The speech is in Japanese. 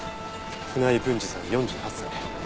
船井文治さん４８歳。